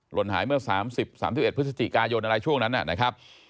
นหายเมื่อ๓๐๓๑พฤศจิกายนอะไรช่วงนั้นนะครับ